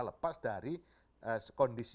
lepas dari kondisi